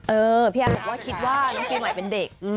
เออพี่แอบบอกว่าคิดว่าปีใหม่เป็นเด็ก